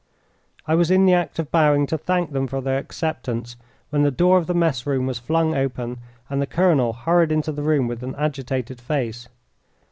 I was in the act of bowing to thank them for their acceptance when the door of the mess room was flung open and the colonel hurried into the room, with an agitated face.